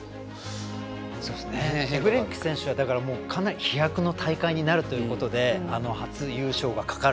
エフベリンク選手はかなり飛躍の大会になるということで初優勝がかかる。